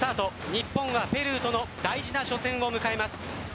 日本がペルーとの大事な初戦を迎えます。